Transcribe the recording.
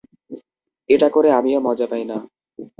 এটা করে আমিও মজা পাই না।